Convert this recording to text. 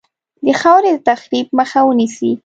د خاورې د تخریب مخه ونیسي.